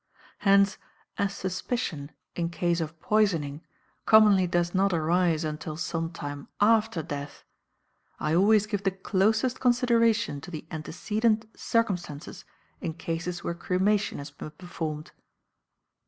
Hence, as suspicion, in case of poisoning, commonly does not arise until some time after death, I always give the closest consideration to the antecedent circumstances in cases where cremation has been performed.